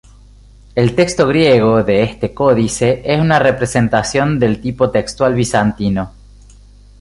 El texto griego de este códice es una representación del tipo textual bizantino.